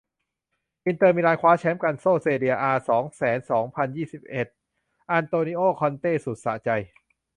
อินเตอร์ มิลาน คว้าแชมป์ กัลโช่ เซเรีย อา สองแสนสองพันยี่สิบเอ็ด อันโตนิโอ คอนเต้ สุดสะใจ